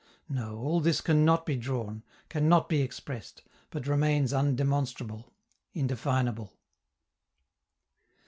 No, all this can not be drawn, can not be expressed, but remains undemonstrable, indefinable.